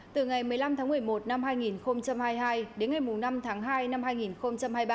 từ ngày một mươi năm tháng một mươi một năm hai nghìn hai mươi hai đến ngày năm tháng hai năm hai nghìn hai mươi ba